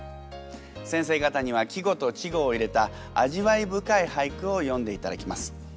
先生方には季語と稚語を入れた味わい深い俳句を詠んでいただきます。